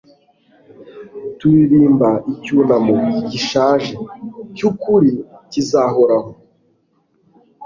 turirimba icyunamo gishaje, cyukuri, kizahoraho